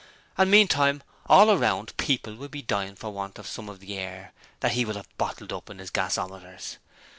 And meantime, all around, people will be dying for want of some of the air that he will have bottled up in his gasometers.